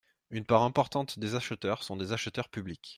Une part importante des acheteurs sont des acheteurs publics.